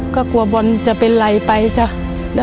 ก็กลัวบอลจะเป็นไรไปจ้ะ